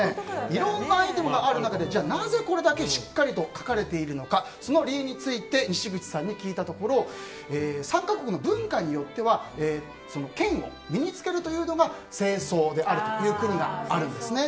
いろんなアイテムがある中でなぜこれだけしっかりと書かれているのか理由についてにしぐちさんに聞いたところ参列者の国の文化によって剣を身に着けるというのが正装であるという国があるんですね。